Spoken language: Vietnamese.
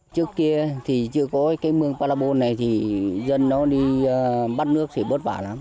trước kia thì chưa có cái mương palabon này thì dân nó đi bắt nước sẽ bất vả lắm